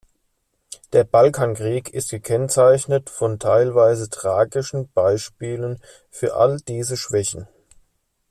Der Balkankrieg ist gekennzeichnet von teilweise tragischen Beispielen für all diese Schwächen.